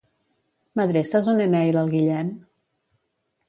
M'adreces un e-mail al Guillem?